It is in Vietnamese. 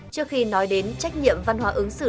trước khi nói đến trách nhiệm văn hóa ứng xử